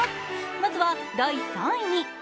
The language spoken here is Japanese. まずは、第３位。